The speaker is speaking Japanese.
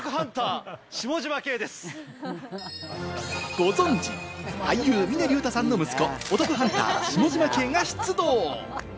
ご存じ、俳優・峰竜太さんの息子、お得ハンター・下嶋兄が出動。